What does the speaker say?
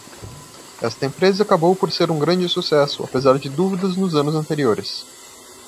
Esta empresa acabou por ser um grande sucesso, apesar de dúvidas nos anos anteriores.